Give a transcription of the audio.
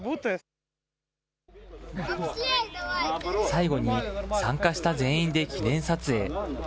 最後に、参加した全員で記念撮影。